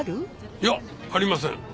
いやありません。